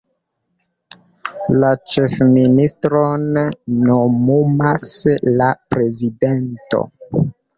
La ĉefministron nomumas la prezidento.